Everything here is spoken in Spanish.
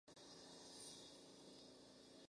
Allí se ha mantenido en cartelera hasta la actualidad.